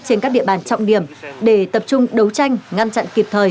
trên các địa bàn trọng điểm để tập trung đấu tranh ngăn chặn kịp thời